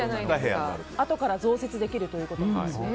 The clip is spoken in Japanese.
あとから増設できるということなんですね。